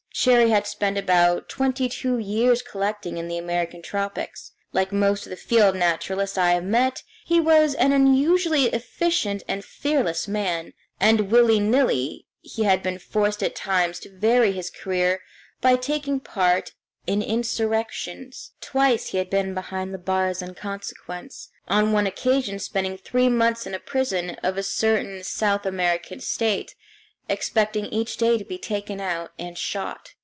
Cherrie had spent about twenty two years collecting in the American tropics. Like most of the field naturalists I have met, he was an unusually efficient and fearless man; and willy nilly he had been forced at times to vary his career by taking part in insurrections. Twice he had been behind the bars in consequence, on one occasion spending three months in a prison of a certain South American state, expecting each day to be taken out and shot.